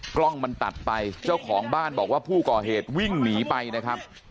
กล้องมันตัดไปเจ้าของบ้านบอกว่าผู้ก่อเหตุวิ่งหนีไปนะครับ